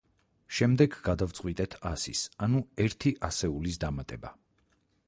შემდეგ გადავწყვიტეთ ასის, ანუ ერთი ასეულის დამატება.